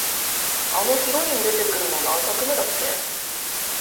あのヒロイン出てくるの、何作目だっけ？